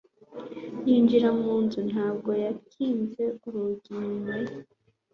yinjira mu nzu. ntabwo yakinze urugi inyuma ye